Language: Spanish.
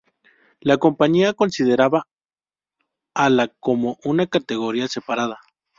La compañía consideraba a la como una categoría separada.